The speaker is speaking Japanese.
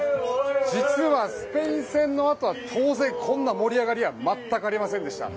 実は、スペイン戦のあとは当然、こんな盛り上がりは全くありませんでした。